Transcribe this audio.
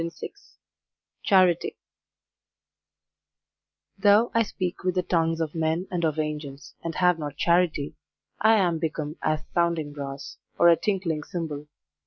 TENNYSON CHARITY Though I speak with the tongues of men and of angels, and have not charity, I am become as sounding brass, or a tinkling cymbal.